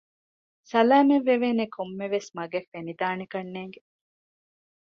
ސަލާމަތްވެވޭނެ ކޮންމެވެސް މަގެއް ފެނިދާނެކަންނޭނގެ